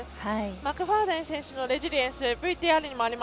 マクファーデン選手のレジリエンスヤ・サマ